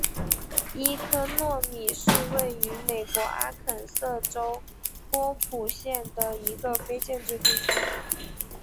伊科诺米是位于美国阿肯色州波普县的一个非建制地区。